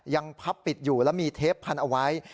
พับปิดอยู่แล้วมีเทปพันเอาไว้